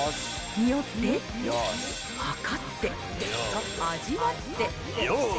匂って、測って、味わって。